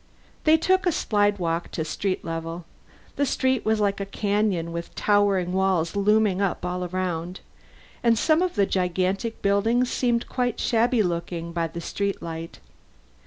They took a slidewalk to street level. The street was like a canyon, with towering walls looming up all around. And some of the gigantic buildings seemed quite shabby looking by the street light.